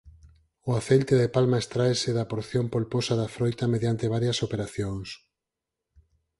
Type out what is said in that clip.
O aceite de palma extráese da porción polposa da froita mediante varias operacións.